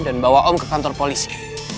dan bawa om ke kantor polisi